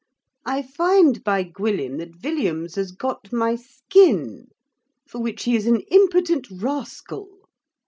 I find by Gwyllim, that Villiams has got my skin; for which he is an impotent rascal.